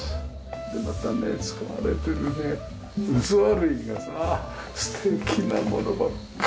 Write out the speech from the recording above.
またね使われてるね器類がさ素敵なものばっかりだ。